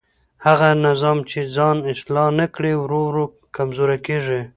هغه نظام چې ځان اصلاح نه کړي ورو ورو کمزوری کېږي